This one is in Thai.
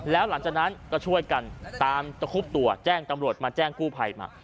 แล้วหลังจากนั้นก็ช่วยกันตามตะคุบตัวแจ้งตำรวจมาแจ้งกู้ภัยมา